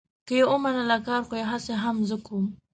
که یې ومنله، کار خو یې هسې هم زه کوم.